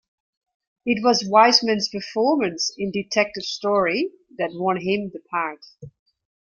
It was Wiseman's performance in "Detective Story" that won him the part.